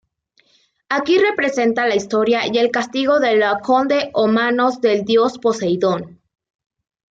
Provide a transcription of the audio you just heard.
Aquí representa la historia y el castigo de Laocoonte a manos del dios Poseidón.